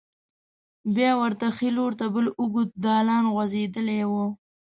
بیا ورته ښې لور ته بل اوږد دالان غوځېدلی و.